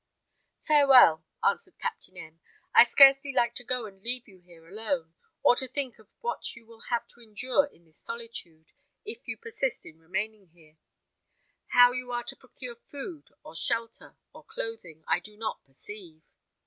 "Farewell!" answered Captain M . "I scarcely like to go and leave you here alone, or to think of what you will have to endure in this solitude, if you persist in remaining here. How you are to procure food, or shelter, or clothing, I do not perceive."